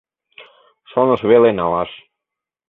Шоныш веле налаш